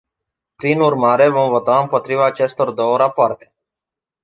Prin urmare, vom vota împotriva acestor două rapoarte.